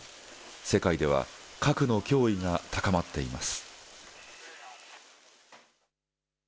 世界では、核の脅威が高まっています。